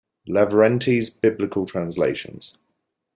Lavrentii's biblical translations.